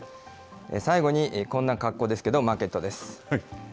最後にこんな格好ですけど、マーケットです。